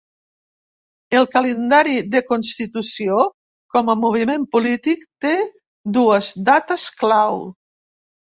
El calendari de constitució com a moviment polític té dues dates clau.